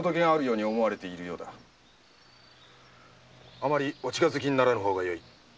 あまりお近づきにならぬほうがよい。